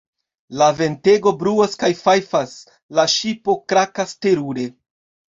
La ventegoj bruas kaj fajfas, la ŝipo krakas terure.